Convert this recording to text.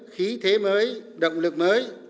khí thế mới động lực mới